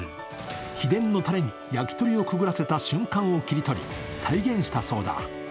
秘伝のタレに焼き鳥をくぐらせた瞬間を切り取り再現したそうだ。